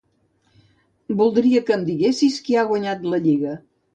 Voldria que em diguessis qui ha guanyat la Lliga.